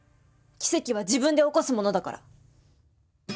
奇跡は自分で起こすものだから。